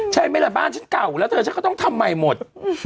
ใช่ไหมล่ะบ้านฉันเก่าแล้วเธอฉันก็ต้องทำใหม่หมด